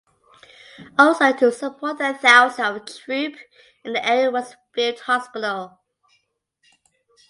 Also to support the thousands of troop in the area was field hospital.